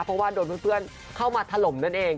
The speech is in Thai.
เพราะว่าโดนเพื่อนเข้ามาถล่มนั่นเอง